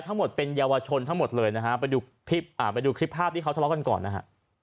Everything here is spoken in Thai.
ทั้งหมดเป็นเยาวชนทั้งหมดเลยนะฮะไปดูคลิปไปดูคลิปภาพที่เขาทะเลาะกันก่อนนะฮะ